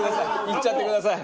いっちゃってください。